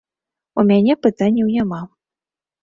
У мяне пытанняў няма.